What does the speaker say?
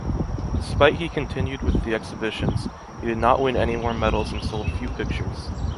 Despite he continued with the exhibitions, he did not win any more medals and sold few pictures.